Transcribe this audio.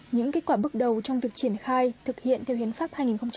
những kết quả bước đầu trong việc triển khai thực hiện theo hiến pháp hai nghìn một mươi ba